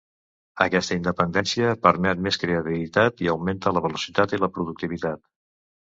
Aquesta independència permet més creativitat i augmenta la velocitat i la productivitat.